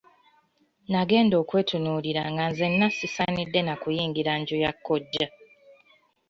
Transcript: Nagenda okwetunuulira nga nzenna sisaanidde na kuyingira nju ya kkojja.